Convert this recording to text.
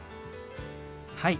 はい！